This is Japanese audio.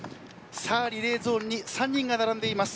リレーゾーンに３人が並んでいます。